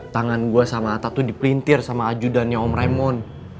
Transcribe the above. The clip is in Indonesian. tangan gue sama ata tuh dipelintir sama ajudannya om raymond